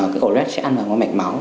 cái ổ lết sẽ ăn vào mạch máu